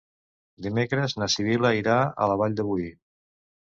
Dimecres na Sibil·la irà a la Vall de Boí.